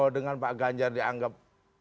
dengan pak ganjar dianggap